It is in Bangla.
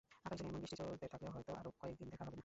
আকাশজুড়ে এমন বৃষ্টি চলতে থাকলে হয়তো আরও কয়েক দিন দেখা হবে না।